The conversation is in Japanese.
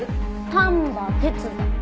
丹波哲左。